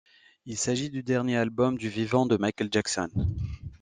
Il s'agit du dernier album du vivant de Michael Jackson.